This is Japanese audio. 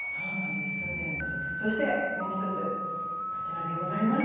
そして、もう１つこちらでございます。